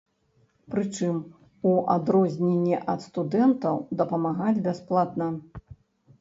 Прычым, у адрозненне ад студэнтаў, дапамагаць бясплатна.